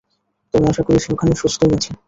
তবে আশা করি সে ওখানে সুস্থই আছে।